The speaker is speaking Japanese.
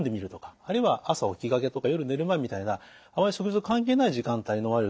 あるいは朝起きがけとか夜寝る前みたいなあまり食事と関係ない時間帯にのまれるといいと思うんですね。